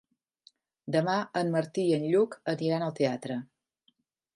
Demà en Martí i en Lluc aniran al teatre.